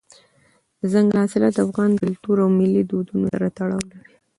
دځنګل حاصلات د افغان کلتور او ملي دودونو سره تړاو لري.